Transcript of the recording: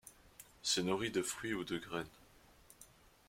Se nourrit de fruits ou de graines.